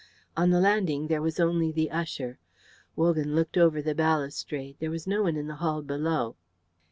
On the landing there was only the usher. Wogan looked over the balustrade; there was no one in the hall below.